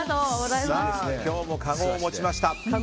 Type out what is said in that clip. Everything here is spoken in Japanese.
今日もかごを持ちました。